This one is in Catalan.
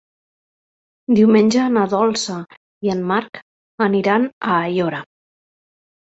Diumenge na Dolça i en Marc aniran a Aiora.